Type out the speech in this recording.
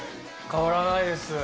変わらないです。